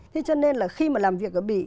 thế cho nên là khi mà làm việc ở bỉ